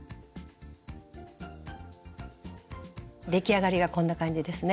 出来上がりがこんな感じですね。